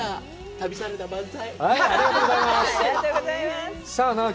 旅サラダ万歳。